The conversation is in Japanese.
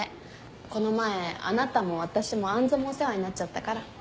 この前あなたも私も杏もお世話になっちゃったから。